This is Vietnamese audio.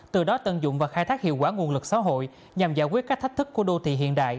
từ đó tận dụng và khai thác hiệu quả nguồn lực xã hội nhằm giải quyết các thách thức của đô thị hiện đại